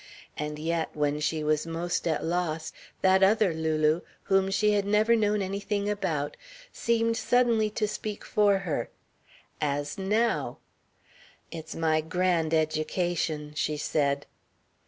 And yet, when she was most at loss, that other Lulu, whom she had never known anything about, seemed suddenly to speak for her. As now: "It's my grand education," she said.